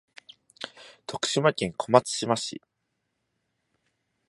徳島県小松島市